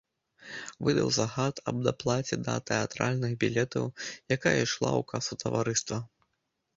Выдаў загад аб даплаце да тэатральных білетаў, якая ішла ў касу таварыства.